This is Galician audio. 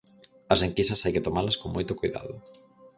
As enquisas hai que tomalas con moito coidado.